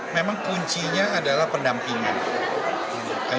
memang kuncinya adalah pendampingan